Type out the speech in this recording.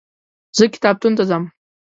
زه کتابتون ته ځم.